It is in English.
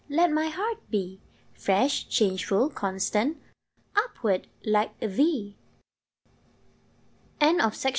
Let my heart be Fresh, changeful, constant, Upward, like thee!